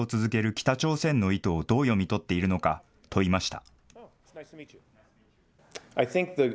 北朝鮮の意図をどう読み取っているのか、問いました。